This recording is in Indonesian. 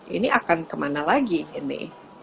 ini akan kemana lagi ini